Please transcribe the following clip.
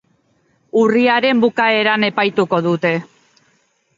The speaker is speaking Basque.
Urriaren bukaeran epaituko dute.